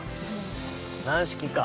軟式か。